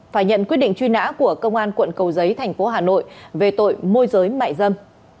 phải nhận quyết định truy nã của công an quận cầu giấy thành phố hà nội về tội môi giới mại dâm